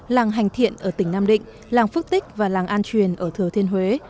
làng hành thiện ở tỉnh nam định làng phước tích và làng an truyền ở thừa thiên huế